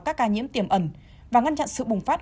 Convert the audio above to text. các ca nhiễm tiềm ẩn và ngăn chặn sự bùng phát